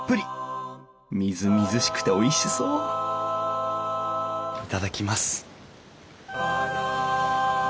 みずみずしくておいしそういただきます。